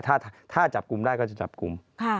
ถ้าถ้าจับกุมได้ก็จะจับกุมค่ะ